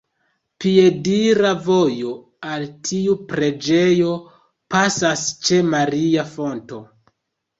Piedira vojo al tiu preĝejo pasas ĉe "maria fonto".